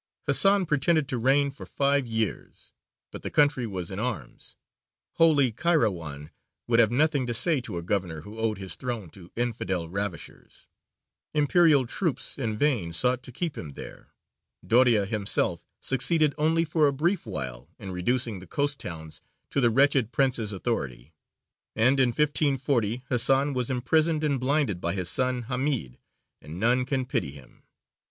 Hasan pretended to reign for five years, but the country was in arms, holy Kayrawān would have nothing to say to a governor who owed his throne to infidel ravishers; Imperial troops in vain sought to keep him there; Doria himself succeeded only for a brief while in reducing the coast towns to the wretched prince's authority; and in 1540 Hasan was imprisoned and blinded by his son Hamīd, and none can pity him.